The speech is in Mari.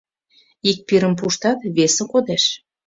— Ик пирым пуштат — весе кодеш.